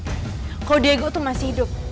kalau diego itu masih hidup